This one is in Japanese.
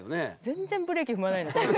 全然ブレーキ踏まないですよ